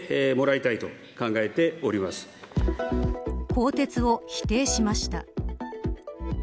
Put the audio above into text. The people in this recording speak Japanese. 更迭を否定しました。